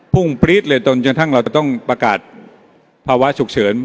พุ่งปรี๊ดเลยจางทั้งเราต้องประกาศภาวะสุดเสริม